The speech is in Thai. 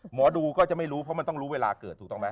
หมอดูก็จะไม่รู้เพราะมันต้องรู้เวลาเกิดถูกต้องไหม